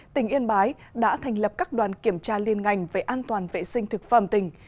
tỉnh yên bái đã thành lập các đoàn kiểm tra liên ngành về an toàn vệ sinh thực phẩm tỉnh